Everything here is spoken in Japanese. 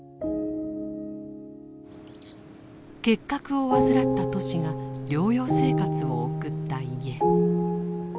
結核を患ったトシが療養生活を送った家。